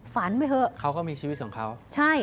ฝันไปเถอะเขาก็มีชีวิตของเขา